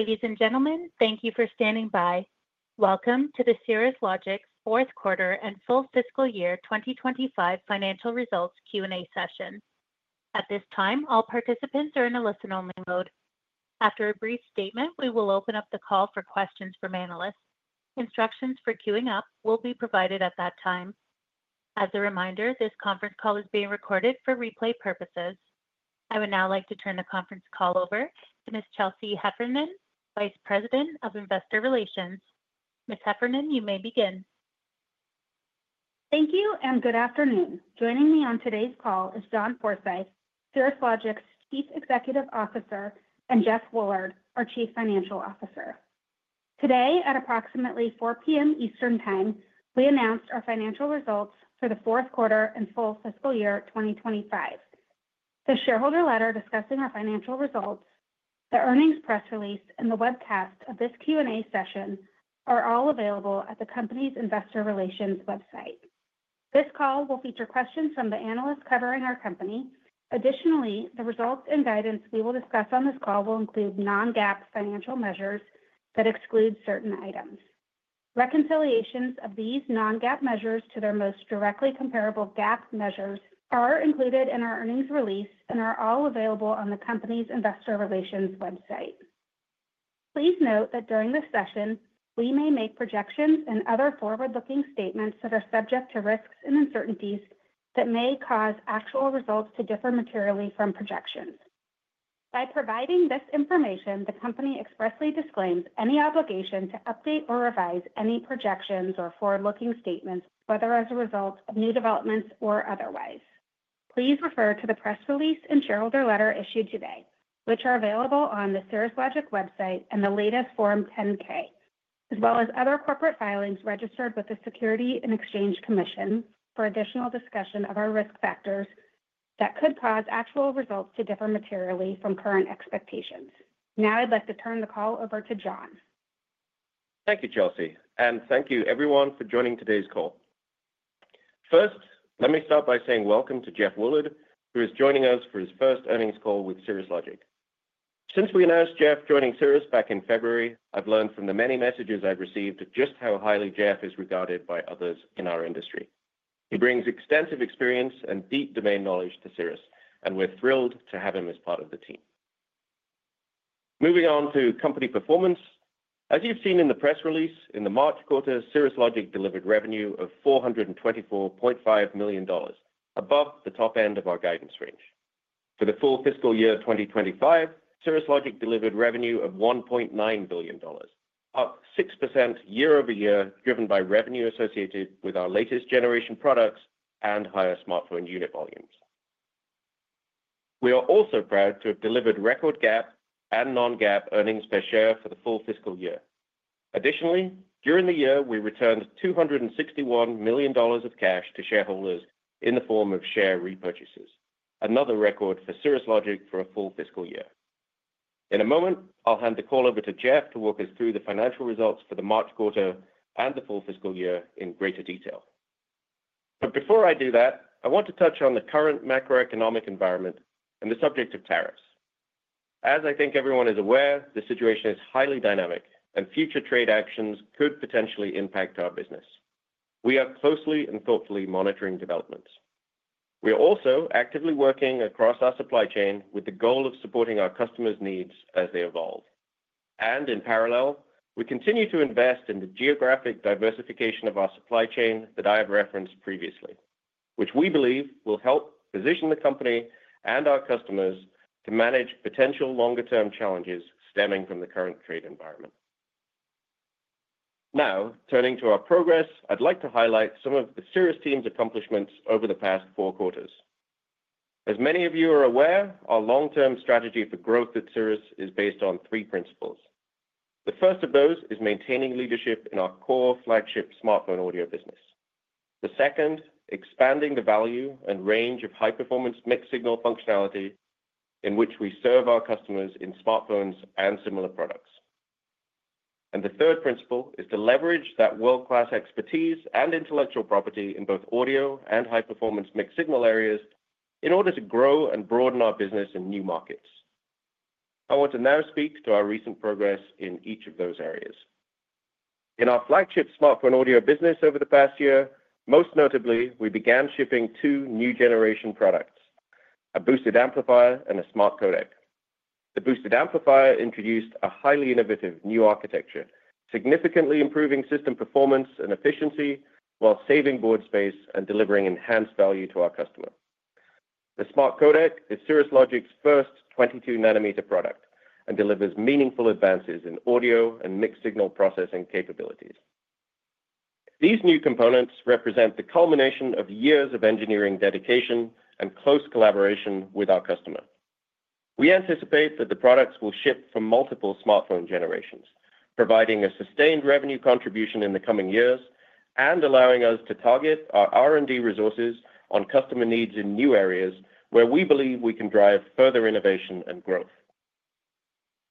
Ladies and gentlemen, thank you for standing by. Welcome to the Cirrus Logic Fourth Quarter and Full Fiscal Year 2025 Financial Results Q&A session. At this time, all participants are in a listen-only mode. After a brief statement, we will open up the call for questions from analysts. Instructions for queuing up will be provided at that time. As a reminder, this conference call is being recorded for replay purposes. I would now like to turn the conference call over to Ms. Chelsea Heffernan, Vice President of Investor Relations. Ms. Heffernan, you may begin. Thank you, and good afternoon. Joining me on today's call is John Forsyth, Cirrus Logic's Chief Executive Officer, and Jeff Woolard, our Chief Financial Officer. Today, at approximately 4:00 P.M. Eastern Time, we announced our financial results for the fourth quarter and full fiscal year 2025. The shareholder letter discussing our financial results, the earnings press release, and the webcast of this Q&A session are all available at the company's Investor Relations website. This call will feature questions from the analysts covering our company. Additionally, the results and guidance we will discuss on this call will include non-GAAP financial measures that exclude certain items. Reconciliations of these non-GAAP measures to their most directly comparable GAAP measures are included in our earnings release and are all available on the company's Investor Relations website. Please note that during this session, we may make projections and other forward-looking statements that are subject to risks and uncertainties that may cause actual results to differ materially from projections. By providing this information, the company expressly disclaims any obligation to update or revise any projections or forward-looking statements, whether as a result of new developments or otherwise. Please refer to the press release and shareholder letter issued today, which are available on the Cirrus Logic website and the latest Form 10-K, as well as other corporate filings registered with the Securities and Exchange Commission for additional discussion of our risk factors that could cause actual results to differ materially from current expectations. Now, I'd like to turn the call over to John. Thank you, Chelsea, and thank you, everyone, for joining today's call. First, let me start by saying welcome to Jeff Woolard, who is joining us for his first earnings call with Cirrus Logic. Since we announced Jeff joining Cirrus back in February, I've learned from the many messages I've received just how highly Jeff is regarded by others in our industry. He brings extensive experience and deep domain knowledge to Cirrus, and we're thrilled to have him as part of the team. Moving on to company performance, as you've seen in the press release, in the March quarter, Cirrus Logic delivered revenue of $424.5 million, above the top end of our guidance range. For the full fiscal year 2025, Cirrus Logic delivered revenue of $1.9 billion, up six percent year-over-year, driven by revenue associated with our latest generation products and higher smartphone unit volumes. We are also proud to have delivered record GAAP and non-GAAP earnings per share for the full fiscal year. Additionally, during the year, we returned $261 million of cash to shareholders in the form of share repurchases, another record for Cirrus Logic for a full fiscal year. In a moment, I'll hand the call over to Jeff to walk us through the financial results for the March quarter and the full fiscal year in greater detail. Before I do that, I want to touch on the current macroeconomic environment and the subject of tariffs. As I think everyone is aware, the situation is highly dynamic, and future trade actions could potentially impact our business. We are closely and thoughtfully monitoring developments. We are also actively working across our supply chain with the goal of supporting our customers' needs as they evolve. In parallel, we continue to invest in the geographic diversification of our supply chain that I have referenced previously, which we believe will help position the company and our customers to manage potential longer-term challenges stemming from the current trade environment. Now, turning to our progress, I'd like to highlight some of the Cirrus team's accomplishments over the past four quarters. As many of you are aware, our long-term strategy for growth at Cirrus is based on three principles. The first of those is maintaining leadership in our core flagship smartphone audio business. The second, expanding the value and range of high-performance mixed-signal functionality in which we serve our customers in smartphones and similar products. The third principle is to leverage that world-class expertise and intellectual property in both audio and high-performance mixed-signal areas in order to grow and broaden our business in new markets. I want to now speak to our recent progress in each of those areas. In our flagship smartphone audio business over the past year, most notably, we began shipping two new-generation products: a boosted amplifier and a smart codec. The boosted amplifier introduced a highly innovative new architecture, significantly improving system performance and efficiency while saving board space and delivering enhanced value to our customer. The smart codec is Cirrus Logic's first 22-nanometer product and delivers meaningful advances in audio and mixed-signal processing capabilities. These new components represent the culmination of years of engineering dedication and close collaboration with our customer. We anticipate that the products will ship for multiple smartphone generations, providing a sustained revenue contribution in the coming years and allowing us to target our R&D resources on customer needs in new areas where we believe we can drive further innovation and growth.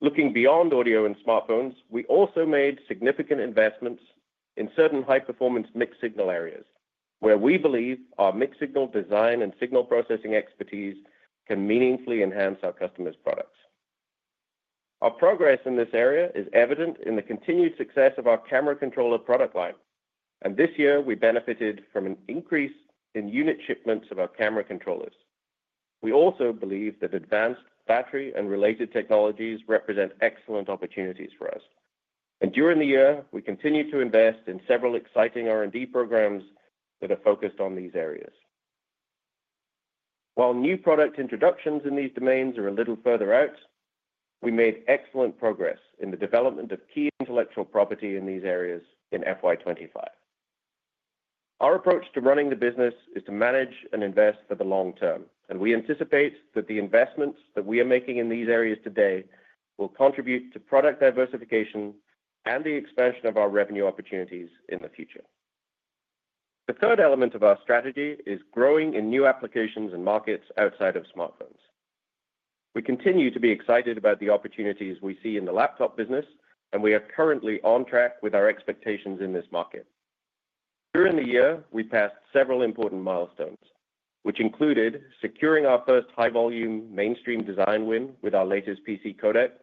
Looking beyond audio and smartphones, we also made significant investments in certain high-performance mixed-signal areas, where we believe our mixed-signal design and signal processing expertise can meaningfully enhance our customers' products. Our progress in this area is evident in the continued success of our camera controller product line, and this year, we benefited from an increase in unit shipments of our camera controllers. We also believe that advanced battery and related technologies represent excellent opportunities for us. During the year, we continue to invest in several exciting R&D programs that are focused on these areas. While new product introductions in these domains are a little further out, we made excellent progress in the development of key intellectual property in these areas in FY 2025. Our approach to running the business is to manage and invest for the long term, and we anticipate that the investments that we are making in these areas today will contribute to product diversification and the expansion of our revenue opportunities in the future. The third element of our strategy is growing in new applications and markets outside of smartphones. We continue to be excited about the opportunities we see in the laptop business, and we are currently on track with our expectations in this market. During the year, we passed several important milestones, which included securing our first high-volume mainstream design win with our latest PC codec,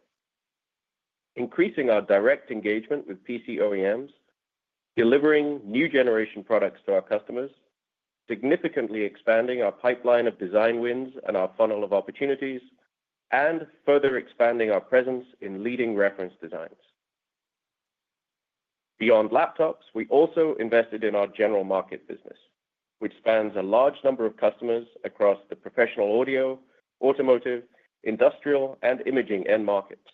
increasing our direct engagement with PC OEMs, delivering new-generation products to our customers, significantly expanding our pipeline of design wins and our funnel of opportunities, and further expanding our presence in leading reference designs. Beyond laptops, we also invested in our general market business, which spans a large number of customers across the professional audio, automotive, industrial, and imaging end markets.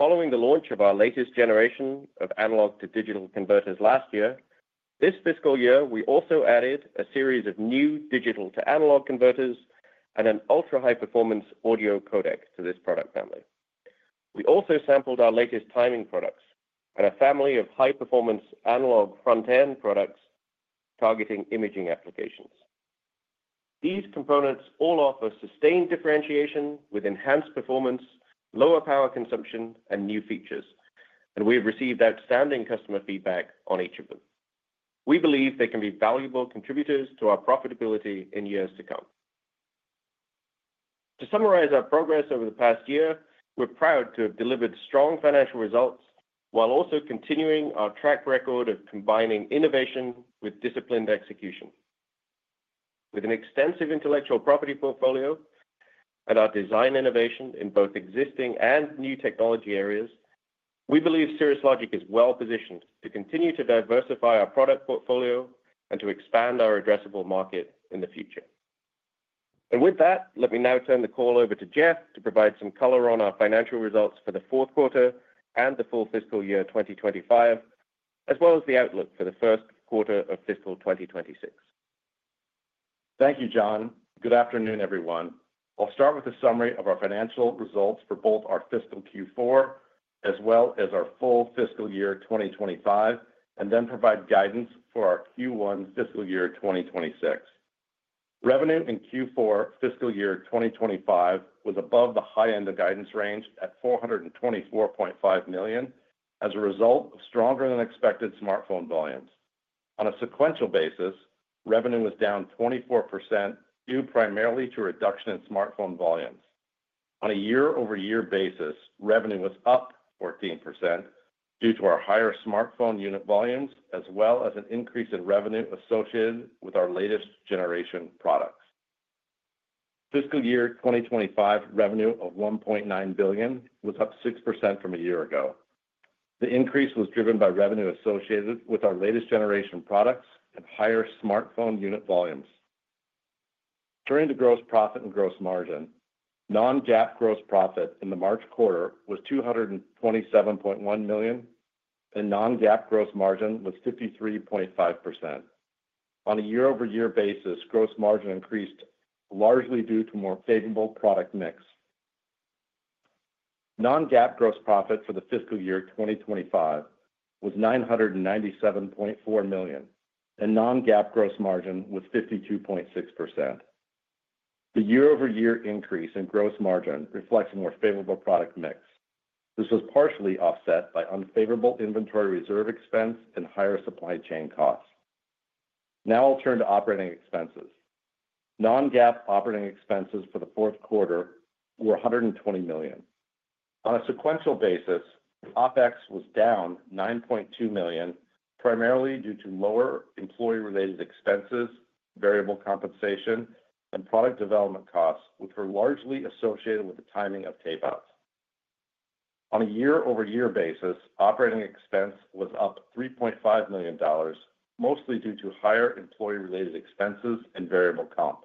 Following the launch of our latest generation of analog-to-digital converters last year, this fiscal year, we also added a series of new digital-to-analog converters and an ultra-high-performance audio codec to this product family. We also sampled our latest timing products and a family of high-performance analog front-end products targeting imaging applications. These components all offer sustained differentiation with enhanced performance, lower power consumption, and new features, and we have received outstanding customer feedback on each of them. We believe they can be valuable contributors to our profitability in years to come. To summarize our progress over the past year, we're proud to have delivered strong financial results while also continuing our track record of combining innovation with disciplined execution. With an extensive intellectual property portfolio and our design innovation in both existing and new technology areas, we believe Cirrus Logic is well positioned to continue to diversify our product portfolio and to expand our addressable market in the future. Let me now turn the call over to Jeff to provide some color on our financial results for the fourth quarter and the full fiscal year 2025, as well as the outlook for the first quarter of fiscal 2026. Thank you, John. Good afternoon, everyone. I'll start with a summary of our financial results for both our fiscal Q4 as well as our full fiscal year 2025, and then provide guidance for our Q1 fiscal year 2026. Revenue in Q4 fiscal year 2025 was above the high end of guidance range at $424.5 million as a result of stronger-than-expected smartphone volumes. On a sequential basis, revenue was down 24% due primarily to a reduction in smartphone volumes. On a year-over-year basis, revenue was up 14% due to our higher smartphone unit volumes, as well as an increase in revenue associated with our latest generation products. Fiscal year 2025 revenue of $1.9 billion was up six percent from a year ago. The increase was driven by revenue associated with our latest generation products and higher smartphone unit volumes. Turning to gross profit and gross margin, non-GAAP gross profit in the March quarter was $227.1 million, and non-GAAP gross margin was 53.5%. On a year-over-year basis, gross margin increased largely due to a more favorable product mix. Non-GAAP gross profit for the fiscal year 2025 was $997.4 million, and non-GAAP gross margin was 52.6%. The year-over-year increase in gross margin reflects a more favorable product mix. This was partially offset by unfavorable inventory reserve expense and higher supply chain costs. Now I'll turn to operating expenses. Non-GAAP operating expenses for the fourth quarter were $120 million. On a sequential basis, OpEx was down $9.2 million, primarily due to lower employee-related expenses, variable compensation, and product development costs, which were largely associated with the timing of tape-outs. On a year-over-year basis, operating expense was up $3.5 million, mostly due to higher employee-related expenses and variable comp.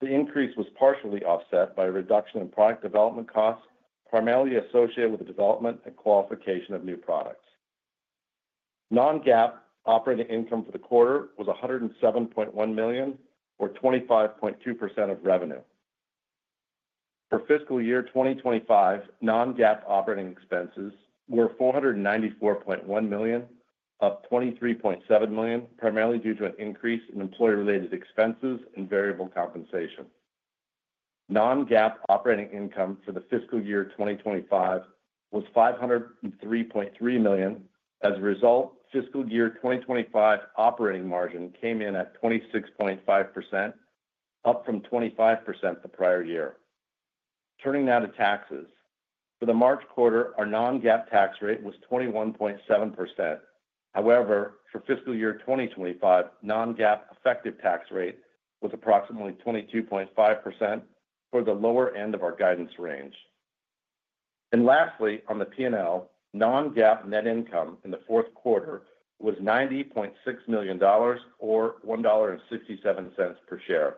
The increase was partially offset by a reduction in product development costs, primarily associated with the development and qualification of new products. Non-GAAP operating income for the quarter was $107.1 million, or 25.2% of revenue. For fiscal year 2025, non-GAAP operating expenses were $494.1 million, up $23.7 million, primarily due to an increase in employee-related expenses and variable compensation. Non-GAAP operating income for the fiscal year 2025 was $503.3 million. As a result, fiscal year 2025 operating margin came in at 26.5%, up from 25% the prior year. Turning now to taxes, for the March quarter, our non-GAAP tax rate was 21.7%. However, for fiscal year 2025, non-GAAP effective tax rate was approximately 22.5% for the lower end of our guidance range. Lastly, on the P&L, non-GAAP net income in the fourth quarter was $90.6 million, or $1.67 per share.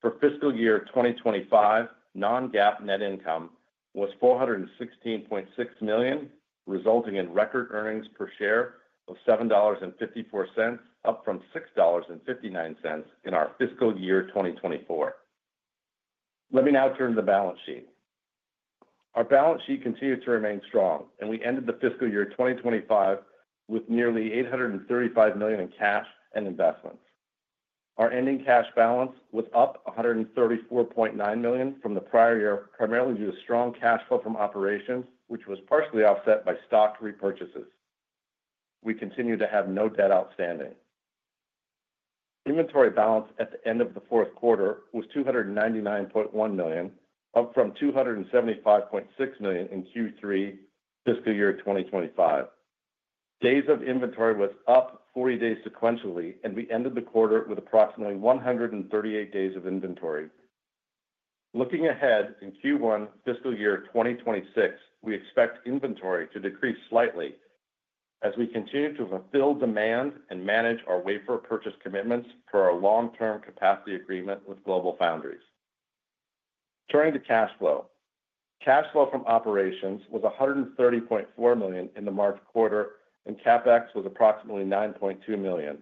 For fiscal year 2025, non-GAAP net income was $416.6 million, resulting in record earnings per share of $7.54, up from $6.59 in our fiscal year 2024. Let me now turn to the balance sheet. Our balance sheet continued to remain strong, and we ended the fiscal year 2025 with nearly $835 million in cash and investments. Our ending cash balance was up $134.9 million from the prior year, primarily due to strong cash flow from operations, which was partially offset by stock repurchases. We continue to have no debt outstanding. Inventory balance at the end of the fourth quarter was $299.1 million, up from $275.6 million in Q3 fiscal year 2025. Days of inventory was up 40 days sequentially, and we ended the quarter with approximately 138 days of inventory. Looking ahead in Q1 fiscal year 2026, we expect inventory to decrease slightly as we continue to fulfill demand and manage our wafer purchase commitments for our long-term capacity agreement with GlobalFoundries. Turning to cash flow, cash flow from operations was $130.4 million in the March quarter, and CapEx was approximately $9.2 million,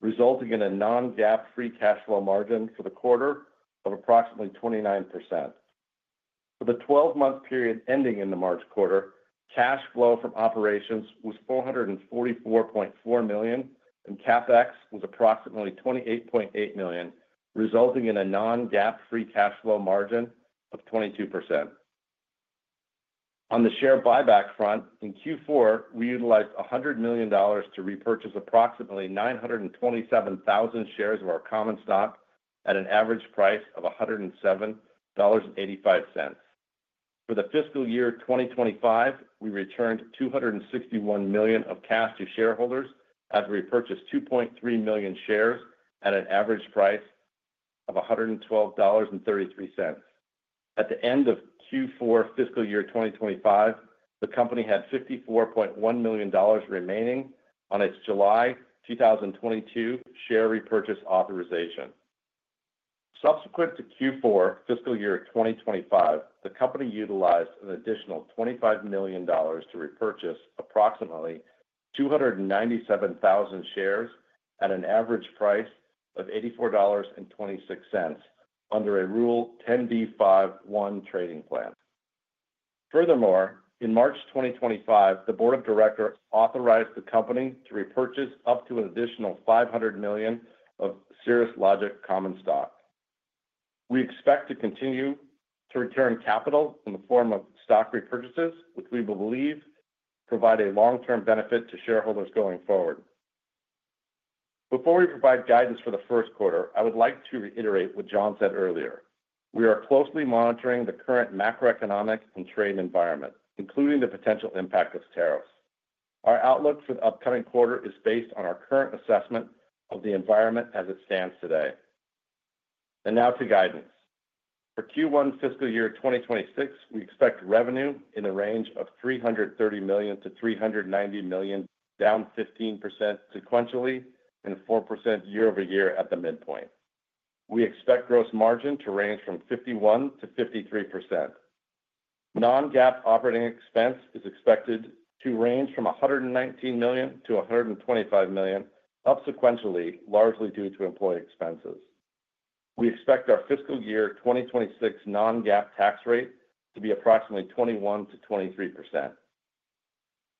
resulting in a non-GAAP free cash flow margin for the quarter of approximately 29%. For the 12-month period ending in the March quarter, cash flow from operations was $444.4 million, and CapEx was approximately $28.8 million, resulting in a non-GAAP free cash flow margin of 22%. On the share buyback front, in Q4, we utilized $100 million to repurchase approximately 927,000 shares of our common stock at an average price of $107.85. For the fiscal year 2025, we returned $261 million of cash to shareholders as we repurchased 2.3 million shares at an average price of $112.33. At the end of Q4 fiscal year 2025, the company had $54.1 million remaining on its July 2022 share repurchase authorization. Subsequent to Q4 fiscal year 2025, the company utilized an additional $25 million to repurchase approximately 297,000 shares at an average price of $84.26 under a Rule 10b5-1 trading plan. Furthermore, in March 2025, the Board of Directors authorized the company to repurchase up to an additional $500 million of Cirrus Logic common stock. We expect to continue to return capital in the form of stock repurchases, which we believe provide a long-term benefit to shareholders going forward. Before we provide guidance for the first quarter, I would like to reiterate what John said earlier. We are closely monitoring the current macroeconomic and trade environment, including the potential impact of tariffs. Our outlook for the upcoming quarter is based on our current assessment of the environment as it stands today. Now to guidance. For Q1 fiscal year 2026, we expect revenue in the range of $330 million-$390 million, down 15% sequentially and four percent year-over-year at the midpoint. We expect gross margin to range from 51%-53%. Non-GAAP operating expense is expected to range from $119 million-$125 million, up sequentially, largely due to employee expenses. We expect our fiscal year 2026 non-GAAP tax rate to be approximately 21%-23%.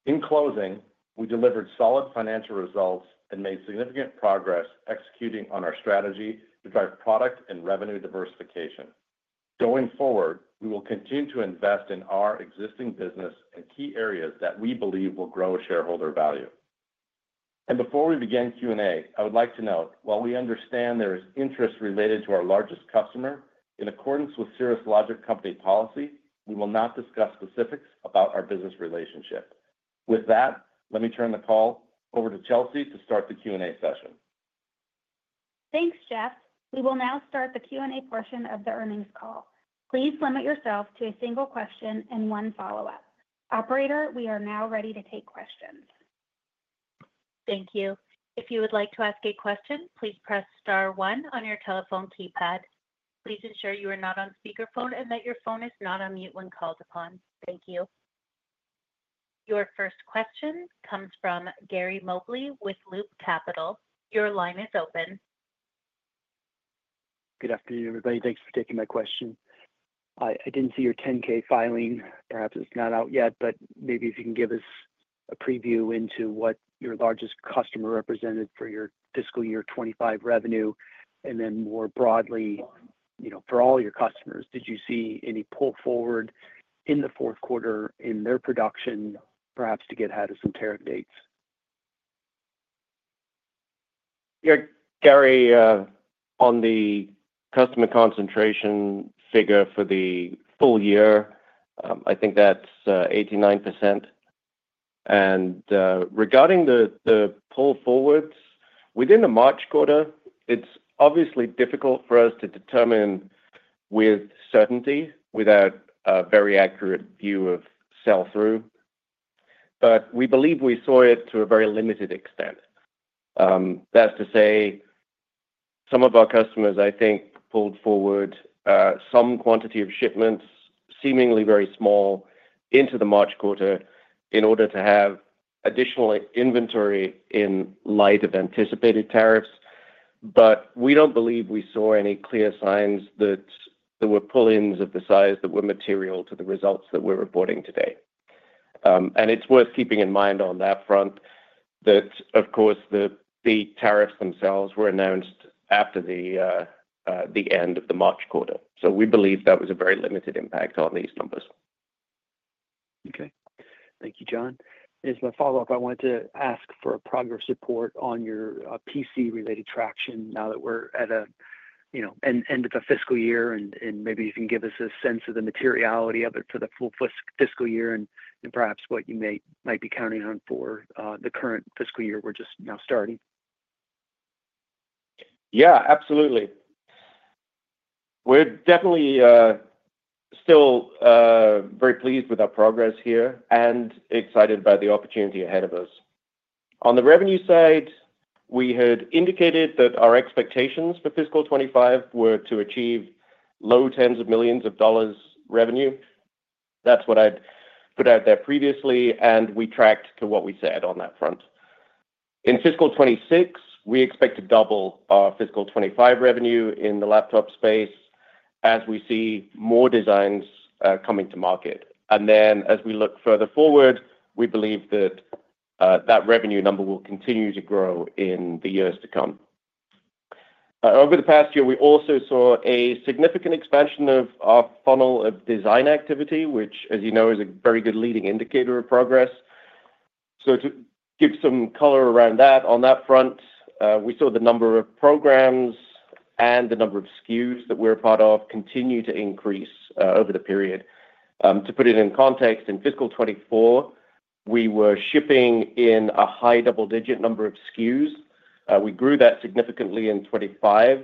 In closing, we delivered solid financial results and made significant progress executing on our strategy to drive product and revenue diversification. Going forward, we will continue to invest in our existing business and key areas that we believe will grow shareholder value. Before we begin Q&A, I would like to note, while we understand there is interest related to our largest customer, in accordance with Cirrus Logic Company policy, we will not discuss specifics about our business relationship. With that, let me turn the call over to Chelsea to start the Q&A session. Thanks, Jeff. We will now start the Q&A portion of the earnings call. Please limit yourself to a single question and one follow-up. Operator, we are now ready to take questions. Thank you. If you would like to ask a question, please press star one on your telephone keypad. Please ensure you are not on speakerphone and that your phone is not on mute when called upon. Thank you. Your first question comes from Gary Mobley with Loop Capital. Your line is open. Good afternoon, everybody. Thanks for taking my question. I didn't see your 10-K filing. Perhaps it's not out yet, but maybe if you can give us a preview into what your largest customer represented for your fiscal year 2025 revenue, and then more broadly, for all your customers, did you see any pull forward in the fourth quarter in their production, perhaps to get ahead of some tariff dates? Yeah, Gary, on the customer concentration figure for the full year, I think that's 89%. Regarding the pull forwards within the March quarter, it's obviously difficult for us to determine with certainty without a very accurate view of sell-through, but we believe we saw it to a very limited extent. That's to say some of our customers, I think, pulled forward some quantity of shipments, seemingly very small, into the March quarter in order to have additional inventory in light of anticipated tariffs. We don't believe we saw any clear signs that there were pull-ins of the size that were material to the results that we're reporting today. It's worth keeping in mind on that front that, of course, the tariffs themselves were announced after the end of the March quarter. We believe that was a very limited impact on these numbers. Okay. Thank you, John. As my follow-up, I wanted to ask for a progress report on your PC-related traction now that we're at the end of the fiscal year, and maybe you can give us a sense of the materiality of it for the full fiscal year and perhaps what you might be counting on for the current fiscal year we're just now starting. Yeah, absolutely. We're definitely still very pleased with our progress here and excited by the opportunity ahead of us. On the revenue side, we had indicated that our expectations for fiscal 2025 were to achieve low tens of millions of dollars revenue. That's what I'd put out there previously, and we tracked to what we said on that front. In fiscal 2026, we expect to double our fiscal 2025 revenue in the laptop space as we see more designs coming to market. As we look further forward, we believe that that revenue number will continue to grow in the years to come. Over the past year, we also saw a significant expansion of our funnel of design activity, which, as you know, is a very good leading indicator of progress. To give some color around that, on that front, we saw the number of programs and the number of SKUs that we're a part of continue to increase over the period. To put it in context, in fiscal 2024, we were shipping in a high double-digit number of SKUs. We grew that significantly in 2025,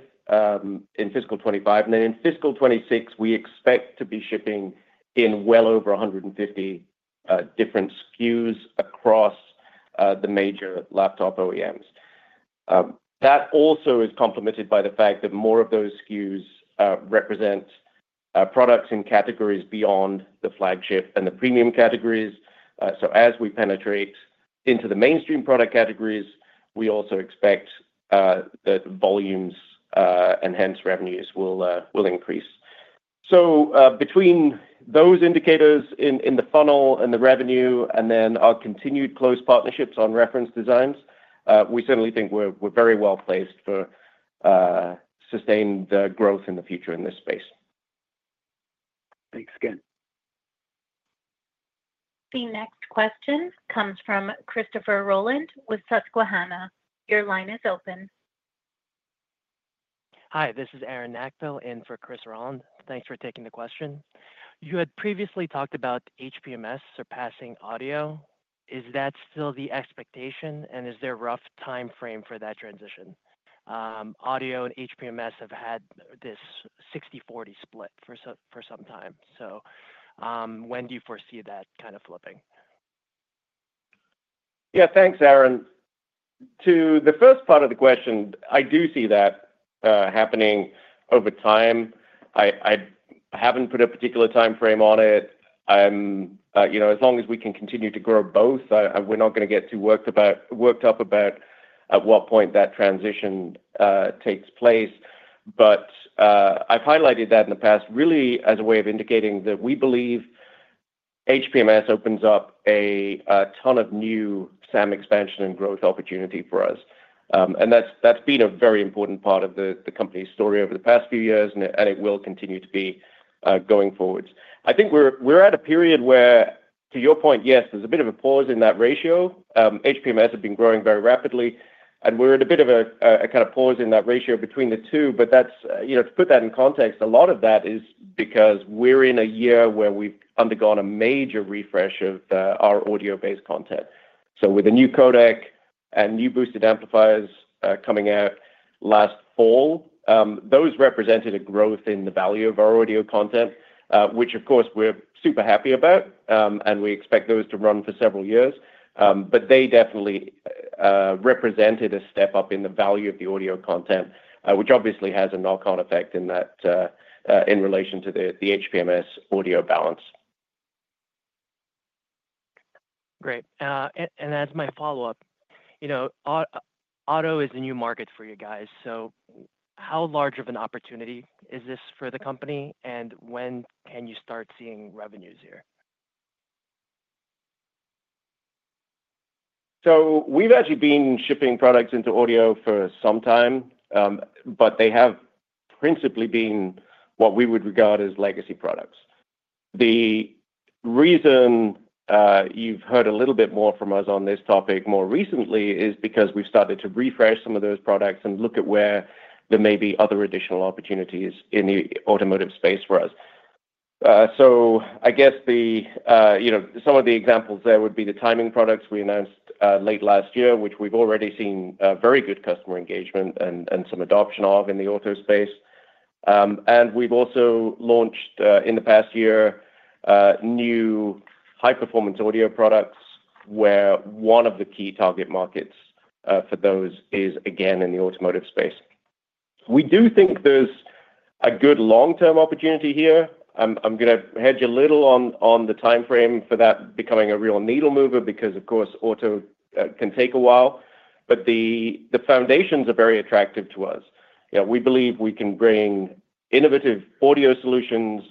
in fiscal 2025. In fiscal 2026, we expect to be shipping in well over 150 different SKUs across the major laptop OEMs. That also is complemented by the fact that more of those SKUs represent products in categories beyond the flagship and the premium categories. As we penetrate into the mainstream product categories, we also expect that volumes and hence revenues will increase. Between those indicators in the funnel and the revenue and then our continued close partnerships on reference designs, we certainly think we're very well placed to sustain the growth in the future in this space. Thanks again. The next question comes from Christopher Rowland with Susquehanna. Your line is open. Hi, this is Aaron Knackville in for Chris Rowland. Thanks for taking the question. You had previously talked about HPMS surpassing audio. Is that still the expectation, and is there a rough timeframe for that transition? Audio and HPMS have had this 60/40 split for some time. When do you foresee that kind of flipping? Yeah, thanks, Aaron. To the first part of the question, I do see that happening over time. I haven't put a particular timeframe on it. As long as we can continue to grow both, we're not going to get too worked up about at what point that transition takes place. I've highlighted that in the past, really, as a way of indicating that we believe HPMS opens up a ton of new SAM expansion and growth opportunity for us. That's been a very important part of the company's story over the past few years, and it will continue to be going forwards. I think we're at a period where, to your point, yes, there's a bit of a pause in that ratio. HPMS has been growing very rapidly, and we're in a bit of a kind of pause in that ratio between the two. To put that in context, a lot of that is because we're in a year where we've undergone a major refresh of our audio-based content. With a new codec and new boosted amplifiers coming out last fall, those represented a growth in the value of our audio content, which, of course, we're super happy about, and we expect those to run for several years. They definitely represented a step up in the value of the audio content, which obviously has a knock-on effect in relation to the HPMS audio balance. Great. As my follow-up, auto is a new market for you guys. How large of an opportunity is this for the company, and when can you start seeing revenues here? We've actually been shipping products into audio for some time, but they have principally been what we would regard as legacy products. The reason you've heard a little bit more from us on this topic more recently is because we've started to refresh some of those products and look at where there may be other additional opportunities in the automotive space for us. I guess some of the examples there would be the timing products we announced late last year, which we've already seen very good customer engagement and some adoption of in the auto space. We've also launched in the past year new high-performance audio products where one of the key target markets for those is, again, in the automotive space. We do think there's a good long-term opportunity here. I'm going to hedge a little on the timeframe for that becoming a real needle mover because, of course, auto can take a while, but the foundations are very attractive to us. We believe we can bring innovative audio solutions,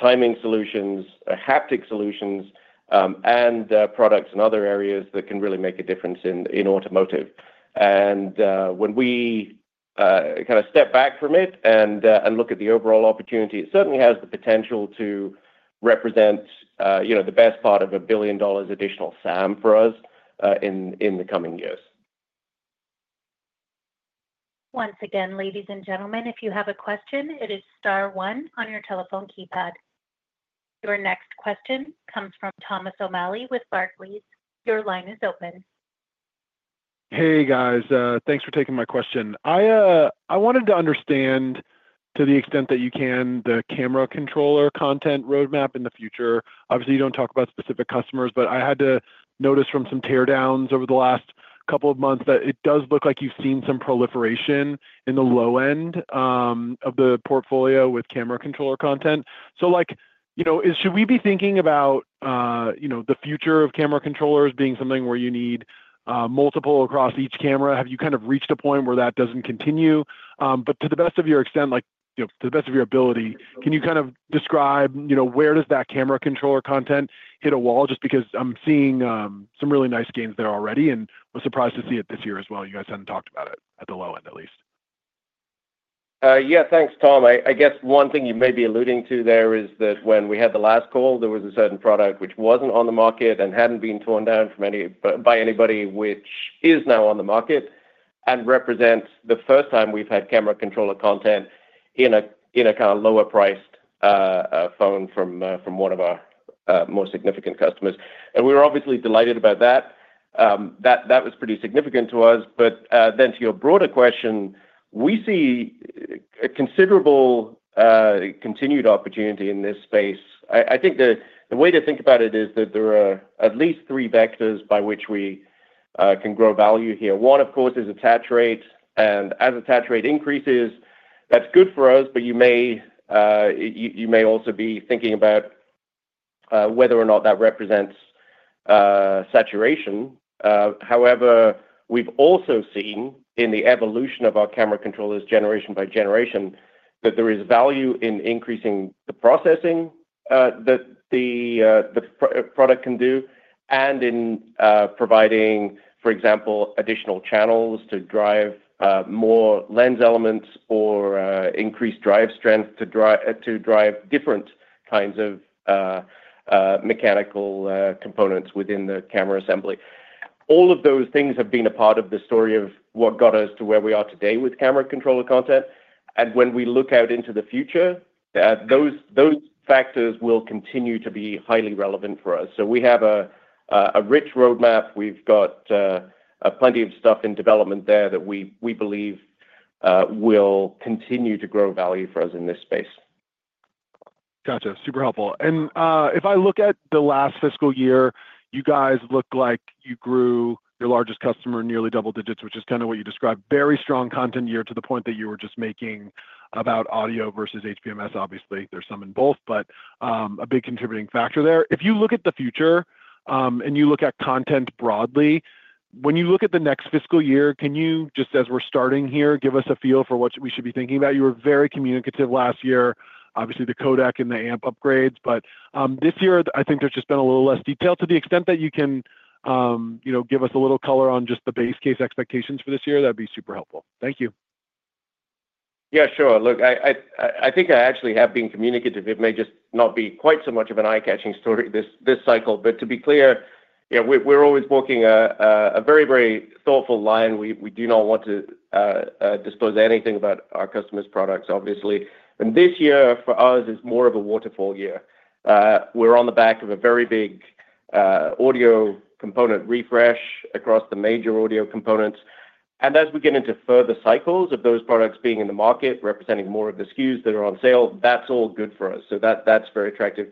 timing solutions, haptic solutions, and products in other areas that can really make a difference in automotive. When we kind of step back from it and look at the overall opportunity, it certainly has the potential to represent the best part of a billion dollars additional SAM for us in the coming years. Once again, ladies and gentlemen, if you have a question, it is star one on your telephone keypad. Your next question comes from Thomas O'Malley with Barclays. Your line is open. Hey, guys. Thanks for taking my question. I wanted to understand, to the extent that you can, the camera controller content roadmap in the future. Obviously, you do not talk about specific customers, but I had to notice from some teardowns over the last couple of months that it does look like you have seen some proliferation in the low end of the portfolio with camera controller content. Should we be thinking about the future of camera controllers being something where you need multiple across each camera? Have you kind of reached a point where that does not continue? To the best of your extent, to the best of your ability, can you kind of describe where does that camera controller content hit a wall? Just because I am seeing some really nice gains there already and was surprised to see it this year as well. You guys hadn't talked about it at the low end, at least. Yeah, thanks, Thom. I guess one thing you may be alluding to there is that when we had the last call, there was a certain product which was not on the market and had not been torn down by anybody, which is now on the market and represents the first time we have had camera controller content in a kind of lower-priced phone from one of our more significant customers. We were obviously delighted about that. That was pretty significant to us. To your broader question, we see a considerable continued opportunity in this space. I think the way to think about it is that there are at least three vectors by which we can grow value here. One, of course, is attach rate. As attach rate increases, that is good for us, but you may also be thinking about whether or not that represents saturation. However, we've also seen in the evolution of our camera controllers generation by generation that there is value in increasing the processing that the product can do and in providing, for example, additional channels to drive more lens elements or increased drive strength to drive different kinds of mechanical components within the camera assembly. All of those things have been a part of the story of what got us to where we are today with camera controller content. When we look out into the future, those factors will continue to be highly relevant for us. We have a rich roadmap. We've got plenty of stuff in development there that we believe will continue to grow value for us in this space. Gotcha. Super helpful. If I look at the last fiscal year, you guys look like you grew your largest customer nearly double digits, which is kind of what you described. Very strong content year to the point that you were just making about audio versus HPMS. Obviously, there's some in both, but a big contributing factor there. If you look at the future and you look at content broadly, when you look at the next fiscal year, can you, just as we're starting here, give us a feel for what we should be thinking about? You were very communicative last year, obviously the codec and the amp upgrades. This year, I think there's just been a little less detail. To the extent that you can give us a little color on just the base case expectations for this year, that'd be super helpful. Thank you. Yeah, sure. Look, I think I actually have been communicative. It may just not be quite so much of an eye-catching story this cycle. To be clear, we're always walking a very, very thoughtful line. We do not want to disclose anything about our customers' products, obviously. This year for us is more of a waterfall year. We're on the back of a very big audio component refresh across the major audio components. As we get into further cycles of those products being in the market, representing more of the SKUs that are on sale, that's all good for us. That is very attractive.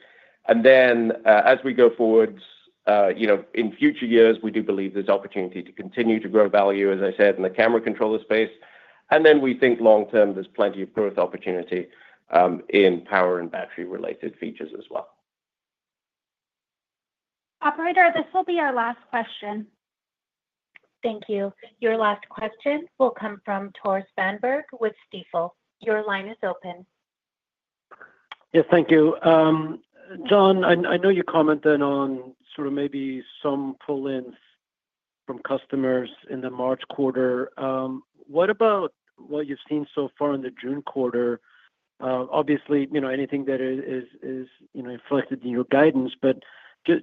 As we go forward in future years, we do believe there's opportunity to continue to grow value, as I said, in the camera controller space. We think long-term, there's plenty of growth opportunity in power and battery-related features as well. Operator, this will be our last question. Thank you. Your last question will come from Torres Vanberg with Stifel. Your line is open. Yes, thank you. John, I know you commented on sort of maybe some pull-ins from customers in the March quarter. What about what you've seen so far in the June quarter? Obviously, anything that is reflected in your guidance, but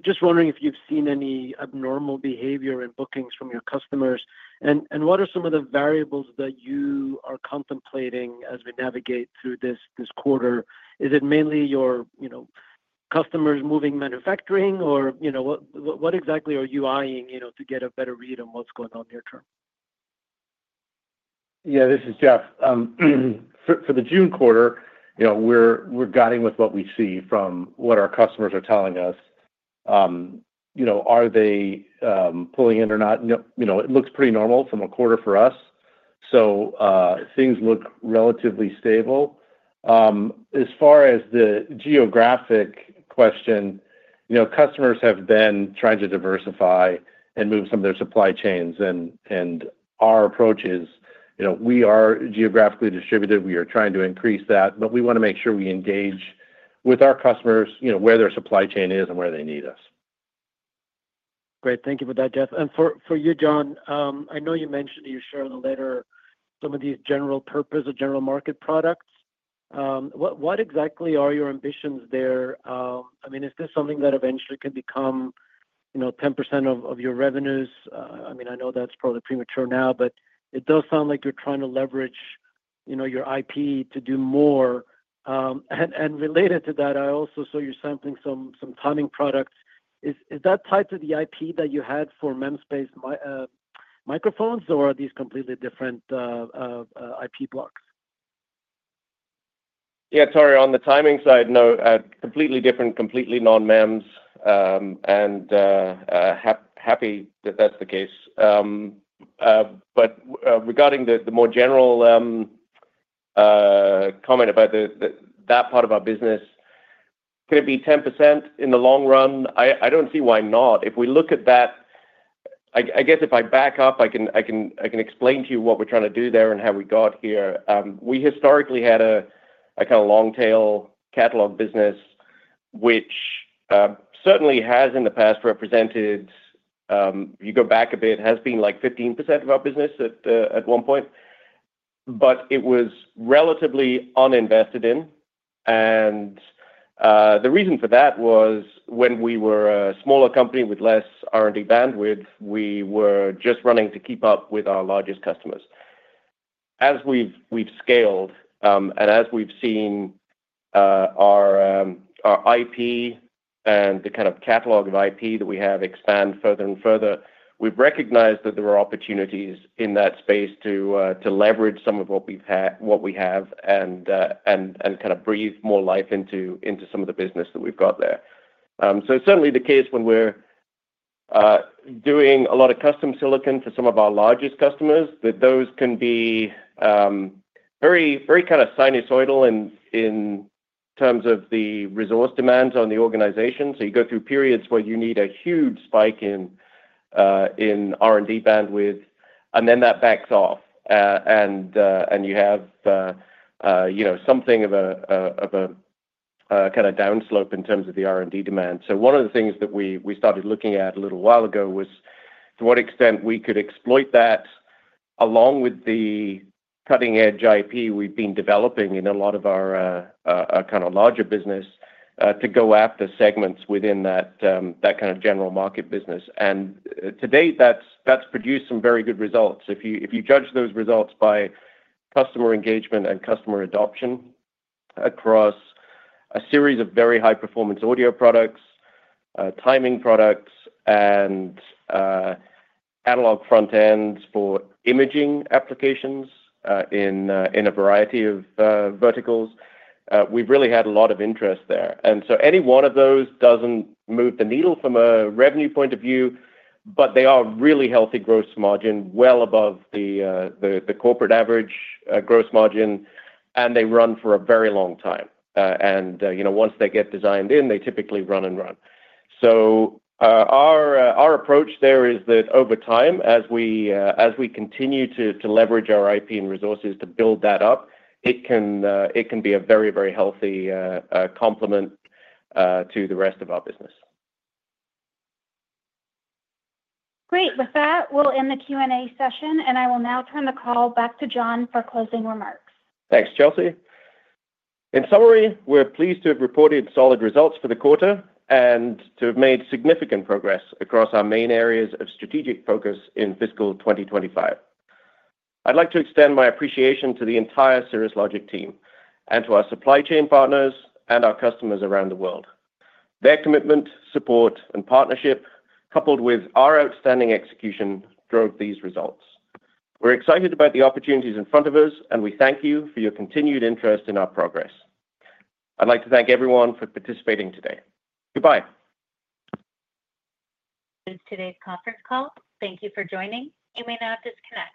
just wondering if you've seen any abnormal behavior in bookings from your customers. What are some of the variables that you are contemplating as we navigate through this quarter? Is it mainly your customers moving manufacturing, or what exactly are you eyeing to get a better read on what's going on near term? Yeah, this is Jeff. For the June quarter, we're guiding with what we see from what our customers are telling us. Are they pulling in or not? It looks pretty normal from a quarter for us. Things look relatively stable. As far as the geographic question, customers have been trying to diversify and move some of their supply chains. Our approach is we are geographically distributed. We are trying to increase that, but we want to make sure we engage with our customers where their supply chain is and where they need us. Great. Thank you for that, Jeff. For you, John, I know you mentioned you shared a letter, some of these general purpose, general market products. What exactly are your ambitions there? I mean, is this something that eventually can become 10% of your revenues? I mean, I know that's probably premature now, but it does sound like you're trying to leverage your IP to do more. Related to that, I also saw you sampling some timing products. Is that tied to the IP that you had for MEMS-based microphones, or are these completely different IP blocks? Yeah, sorry. On the timing side, no, completely different, completely non-MEMS. Happy that that's the case. Regarding the more general comment about that part of our business, could it be 10% in the long run? I don't see why not. If we look at that, I guess if I back up, I can explain to you what we're trying to do there and how we got here. We historically had a kind of long-tail catalog business, which certainly has in the past represented, if you go back a bit, has been like 15% of our business at one point. It was relatively uninvested in. The reason for that was when we were a smaller company with less R&D bandwidth, we were just running to keep up with our largest customers. As we've scaled and as we've seen our IP and the kind of catalog of IP that we have expand further and further, we've recognized that there are opportunities in that space to leverage some of what we have and kind of breathe more life into some of the business that we've got there. It is certainly the case when we're doing a lot of custom silicon for some of our largest customers that those can be very kind of sinusoidal in terms of the resource demands on the organization. You go through periods where you need a huge spike in R&D bandwidth, and then that backs off, and you have something of a kind of downslope in terms of the R&D demand. One of the things that we started looking at a little while ago was to what extent we could exploit that along with the cutting-edge IP we've been developing in a lot of our kind of larger business to go after segments within that kind of general market business. To date, that's produced some very good results. If you judge those results by customer engagement and customer adoption across a series of very high-performance audio products, timing products, and analog front-ends for imaging applications in a variety of verticals, we've really had a lot of interest there. Any one of those doesn't move the needle from a revenue point of view, but they are really healthy gross margin, well above the corporate average gross margin, and they run for a very long time. Once they get designed in, they typically run and run. Our approach there is that over time, as we continue to leverage our IP and resources to build that up, it can be a very, very healthy complement to the rest of our business. Great. With that, we'll end the Q&A session, and I will now turn the call back to John for closing remarks. Thanks, Chelsea. In summary, we're pleased to have reported solid results for the quarter and to have made significant progress across our main areas of strategic focus in fiscal 2025. I'd like to extend my appreciation to the entire Cirrus Logic team and to our supply chain partners and our customers around the world. Their commitment, support, and partnership, coupled with our outstanding execution, drove these results. We're excited about the opportunities in front of us, and we thank you for your continued interest in our progress. I'd like to thank everyone for participating today. Goodbye. This is today's conference call. Thank you for joining. You may now disconnect.